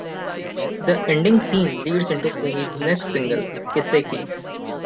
The ending scene leads into Kumi's next single, Kiseki.